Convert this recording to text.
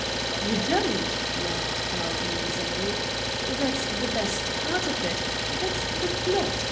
"You don't?" laughed Carlton, easily. "That's the best part of it that's the plot.